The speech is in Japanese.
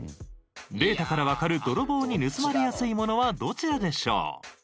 データからわかる泥棒に盗まれやすいものはどちらでしょう？